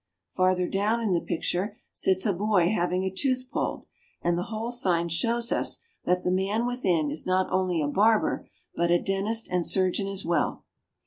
Farther down in the picture sits a boy having a tooth pulled, and the whole sign shows us that the man within is not only a bar ber, but a dentist and surgeon as well.